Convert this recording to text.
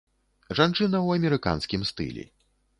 Жанчына ў амерыканскім стылі.